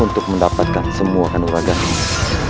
untuk mendapatkan semua kanoraga ini